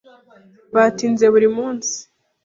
Batinze buri munsi.